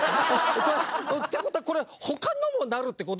てことはこれ他のもなるってこと？